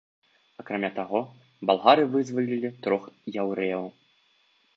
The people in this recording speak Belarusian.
Акрамя таго, балгары вызвалілі трох яўрэяў.